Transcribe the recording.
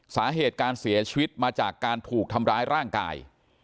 สาเหตุการเสียชีวิตมาจากการถูกทำร้ายร่างกาย